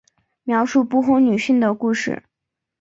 描述不婚女性的故事。